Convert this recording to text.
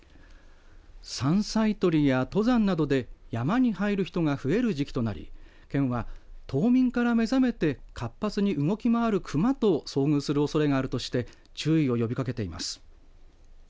山菜採りや登山などで山に入る人が増える時期となり県は冬眠から目覚めて活発に動き回る熊と遭遇するおそれがあるとして注意を呼びかけています。